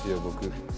僕。